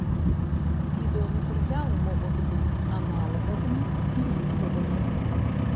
Відэаматэрыялы могуць быць аналагавымі ці лічбавымі.